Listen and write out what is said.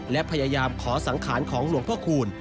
และพยายามขอสังขารของหลวงพ่อคูณ